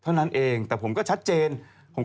เท่านั้นเองแต่ผมก็ชัดเจน